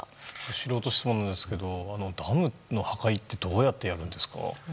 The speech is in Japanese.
素人質問なんですけどダムの破壊ってどうやってやるんですか？